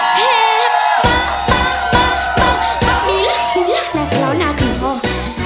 เทปป้าป่าป่าป่ามีรักมีรักแบบขาว